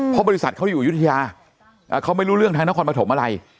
เพราะบริษัทเขาอยู่อยุธยาเขาไม่รู้เรื่องทางนครปฐมอะไร